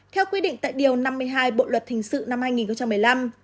theo quy định tại điều năm mươi hai bộ luật hình sự năm hai nghìn một mươi năm